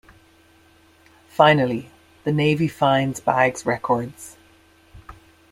Finally the Navy finds Baggs' records.